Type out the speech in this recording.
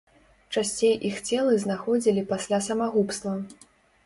Часцей іх целы знаходзілі пасля самагубства.